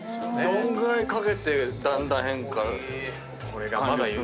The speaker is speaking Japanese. どんぐらいかけてだんだん変化完了する。